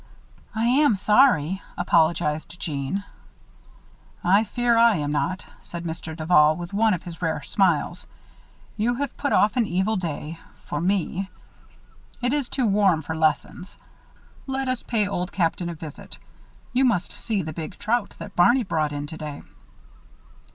"I am sorry," apologized Jeanne. "I fear I am not," said Mr. Duval, with one of his rare smiles. "You have put off an evil day for me. It is too warm for lessons. Let us pay Old Captain a visit. You must see the big trout that Barney brought in today."